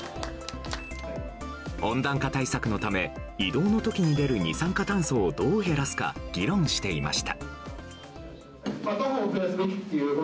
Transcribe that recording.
温暖化対策のため移動の時に出る二酸化炭素をどう減らすか議論していました。